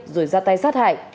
rồi ra tay sát hại